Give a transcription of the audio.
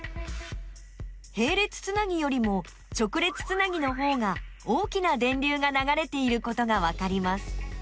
へい列つなぎよりも直列つなぎのほうが大きな電流がながれていることがわかります。